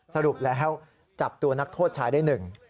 สรุปแล้วจับตัวนักโทษชายได้หนึ่ง